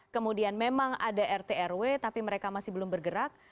kemudian memang ada rtw tapi mereka masih belum bergerak